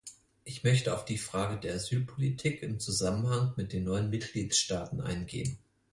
Ich möchte auf die Frage der Asylpolitik im Zusammenhang mit den neuen Mitgliedstaaten eingehen.